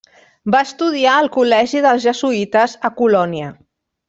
Va estudiar al col·legi dels jesuïtes a Colònia.